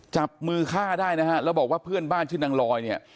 จับมือฆ่าได้นะฮะแล้วบอกว่าเพื่อนบ้านชื่อนางลอยเนี่ย